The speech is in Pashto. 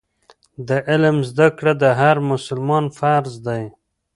د علم زده کړه د هر مسلمان فرض دی.